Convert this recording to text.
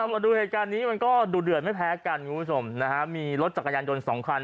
มาดูเหตุการณ์นี้มันก็ดูเดือดไม่แพ้กันคุณผู้ชมนะฮะมีรถจักรยานยนต์สองคัน